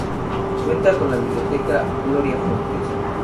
Cuenta con la biblioteca gloria fuentes.